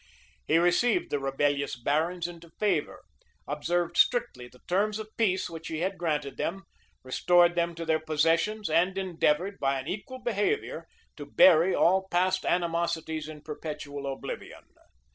He received the rebellious barons into favor; observed strictly the terms of peace which he had granted them; restored them to their possessions; and endeavored, by an equal behavior, to bury all past animosities in perpetual oblivion.